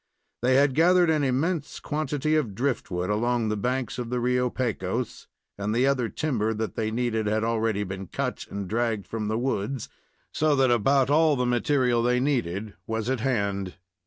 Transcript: They had gathered an immense quantity of driftwood along the banks of the Rio Pecos, and the other timber that they needed had already been cut and dragged from the woods, so that about all the material they needed was at hand.